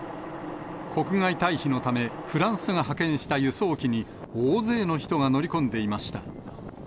国外退避のため、フランスが派遣した輸送機に、大勢の人が乗り込んでいました。